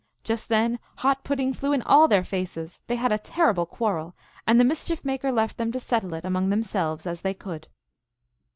Just then hot pudding flew in all their faces ; they had a terrible quarrel, and the Mischief Maker left them to settle it among themselves as they could.